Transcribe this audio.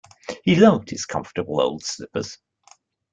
He loved his comfortable old slippers.